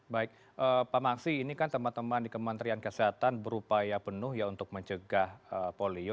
baik pak maksi ini kan teman teman di kementerian kesehatan berupaya penuh ya untuk mencegah polio